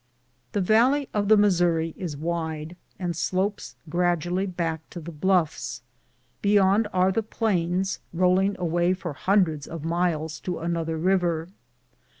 The valley of the Missouri is wide, and slopes grad ually back to the bluffs. Beyond are the plains, rolling away for hundreds of miles to another river.